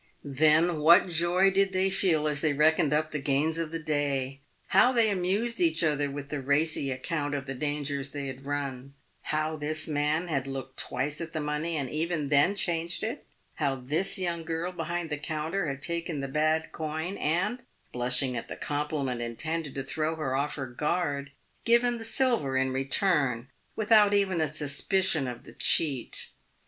Then what joy did they feel as they reckoned up the gains of the day. How they amused each other with the racy account of the dangers they had run ; how this man had looked twice at the money, and even then changed it ; how this young girl behind the counter had taken the bad coin, and, blushing at the compliment intended to throw her off her guard, given the silver in return without even a suspicion of the cheat.